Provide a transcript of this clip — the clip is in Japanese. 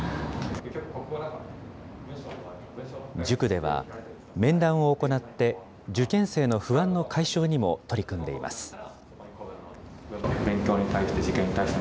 塾では、面談を行って、受験生の不安の解消にも取り組んでいます。